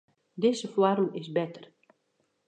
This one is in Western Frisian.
Dizze foarm is better.